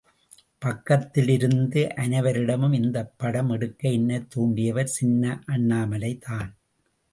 பக்கத்திலிருந்த அனைவரிடமும் இந்தப்படம் எடுக்க என்னைத் தூண்டியவர் சின்ன அண்ணாமலைதான்.